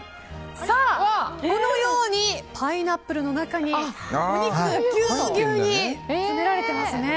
このようにパイナップルの中にお肉がぎゅうぎゅうに詰められていますね。